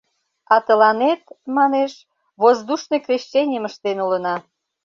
А тыланет, манеш, воздушный крещенийым ыштен улына...